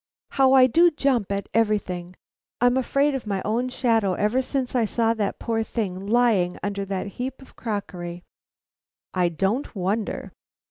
"How I do jump at everything! I'm afraid of my own shadow ever since I saw that poor thing lying under that heap of crockery." "I don't wonder."